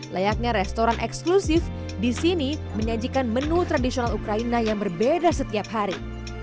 layaknya restoran eksklusif di sini menyajikan menu tradisional ukraina yang berbeda setiap hari